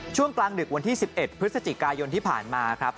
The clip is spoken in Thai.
ช่วงกลางดึกวันที่๑๑พฤศจิกายนที่ผ่านมาครับ